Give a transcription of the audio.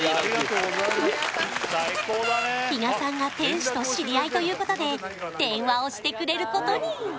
比嘉さんが店主と知り合いということで電話をしてくれることに！